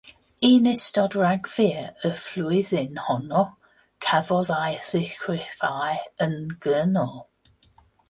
Yn ystod Rhagfyr y flwyddyn honno, cafodd ei ddyrchafu'n gyrnol.